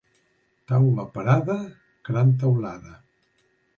Taula parada, gran teulada.